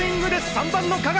３番の加賀！